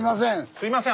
すいません。